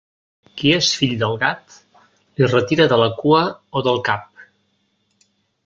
Qui és fill del gat, li retira de la cua o del cap.